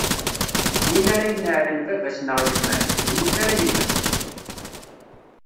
Win ara ineɛlen baba-s neɣ yemma-s, lmut ara yemmet.